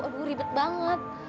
aduh ribet banget